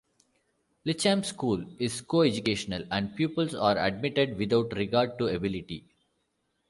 Litcham School is coeducational and pupils are admitted without regard to ability.